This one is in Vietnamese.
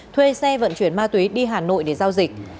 thuê xe vận chuyển ma túy đi hà nội để giao dịch